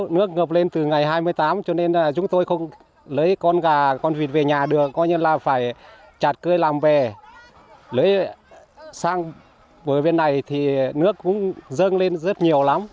nước ngập lên từ ngày hai mươi tám cho nên chúng tôi không lấy con gà con vịt về nhà được coi như là phải chạt cươi làm bè lấy sang bờ bên này thì nước cũng dâng lên rất nhiều lắm